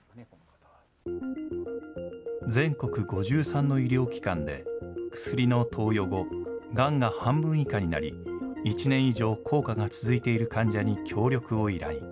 全国５３の医療機関で、薬の投与後、がんが半分以下になり、１年以上、効果が続いている患者に協力を依頼。